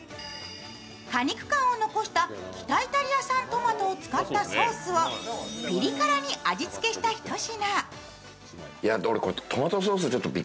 果肉感を残した北イタリア産のトマトソースをピリ辛に味付けした一品。